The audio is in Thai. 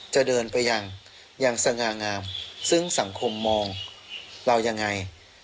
จะเดินไปอย่างสง่างามซึ่งสังคมมองเรายังไง